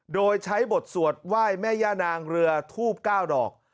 โดยใช้บทสวดไหว้แม่ย่านางเรือทูบ๙ดอก